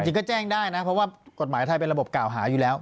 ก็แจ้งได้นะเพราะว่ากฎหมายไทยเป็นระบบกล่าวหาอยู่แล้ว